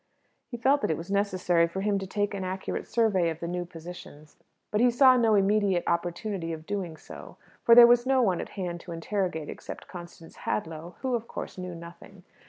He felt that it was necessary for him to take an accurate survey of the new positions. But he saw no immediate opportunity of doing so; for there was no one at hand to interrogate, except Constance Hadlow, who, of course, knew nothing.